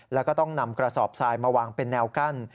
แล้วก็ต้องนำกระสอบทรายมาวางเป็นแนวกั้น